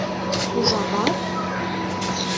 — Ужава?